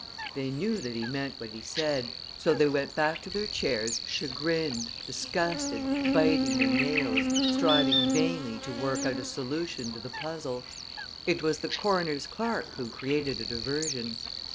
They knew that he meant what he said, so they went back to their chairs chagrined, disgusted, biting their nails, striving vainly to work out a solution to the puzzle. It was the coroner's clerk who created a diversion.